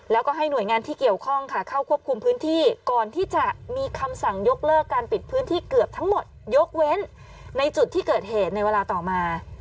แล้วก็ให้หน่วยงานที่เกี่ยวข้องค่ะเข้าควบคุมพื้นที่ก่อนที่จะมีคำสั่งยกเลิกการปิดพื้นที่เกือบทั้งหมดยกเว้นในจุดที่เกิดเหตุในเวลาต่อมา